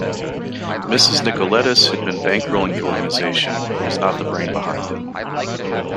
Mrs Nicoletis had been bankrolling the organisation, but was not the brain behind it.